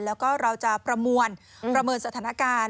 แล้วก็เราจะประมวลประเมินสถานการณ์